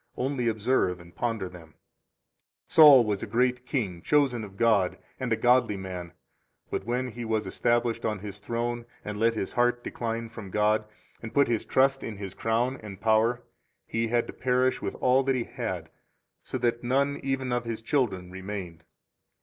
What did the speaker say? Only observe and ponder them. 45 Saul was a great king, chosen of God, and a godly man; but when he was established on his throne, and let his heart decline from God, and put his trust in his crown and power, he had to perish with all that he had, so that none even of his children remained.